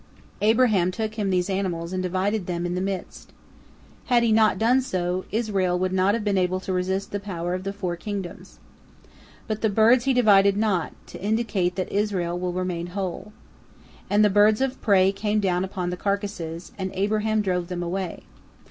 Abraham took him these animals and divided them in the midst. Had he not done so, Israel would not have been able to resist the power of the four kingdoms. But the birds he divided not, to indicate that Israel will remain whole. And the birds of prey came down upon the carcasses, and Abraham drove them away.